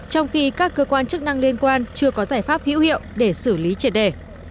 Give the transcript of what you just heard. trong khi các cơ quan chức năng liên quan chưa có giải pháp hữu hiệu để xử lý triệt đề